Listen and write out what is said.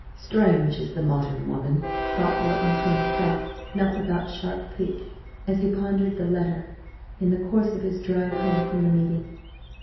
"Strange is the modern woman!" thought Wharton to himself, not without sharp pique, as he pondered that letter in the course of his drive home from the meeting.